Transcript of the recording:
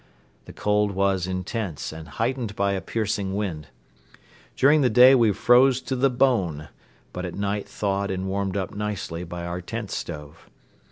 The cold was intense and heightened by a piercing wind. During the day we froze to the bone but at night thawed and warmed up nicely by our tent stove.